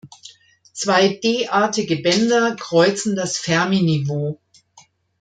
Zwei d-artige Bänder kreuzen das Fermi-Niveau.